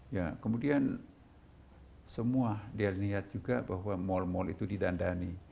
ya kemudian semua dia lihat juga bahwa mal mal itu didandani